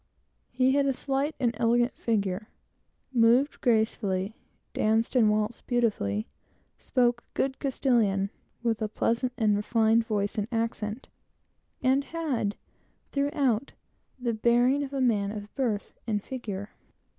He had a slight and elegant figure, moved gracefully, danced and waltzed beautifully, spoke the best of Castilian, with a pleasant and refined voice and accent, and had, throughout, the bearing of a man of high birth and figure.